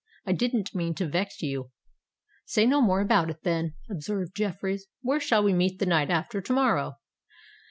I didn't mean to vex you." "Say no more about it, then," observed Jeffreys. "Where shall we meet the night after to morrow?"